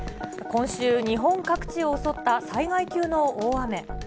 今週、日本各地を襲った災害級の大雨。